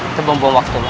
itu buang buang waktunya